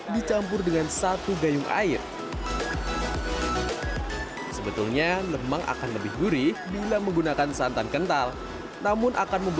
dicampur dengan satu gayung air sebetulnya lemang akan lebih gurih bila menggunakan santan kental namun akan